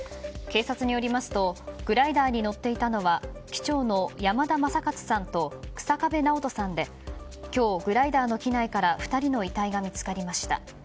警察によりますとグライダーに乗っていたのは機長の山田正勝さんと日下部直人さんで今日、グライダーの機内から２人の遺体が見つかりました。